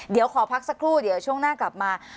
เดี๋ยวขอพักสักครู่เดี๋ยวช่วงหน้ากลับมา